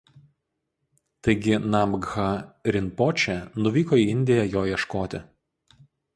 Taigi Namkha Rinpočė nuvyko į Indiją jo ieškoti.